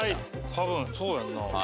多分そうやんな。